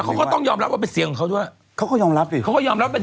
เขาก็ต้องยอมรับว่าเป็นเสียงของเขาด้วยเขาก็ยอมรับสิเขาก็ยอมรับเป็น